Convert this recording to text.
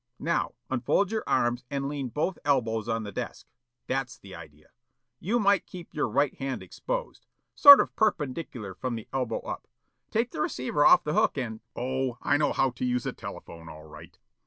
Now unfold your arms and lean both elbows on the desk. That's the idea. You might keep your right hand exposed, sort of perpendicular from the elbow up. Take the receiver off the hook and " "Oh, I know how to use a telephone all right."